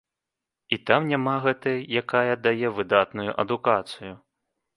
І там няма гэтай, якая дае выдатную адукацыю.